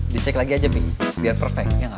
dicek lagi aja mi biar perfect ya nggak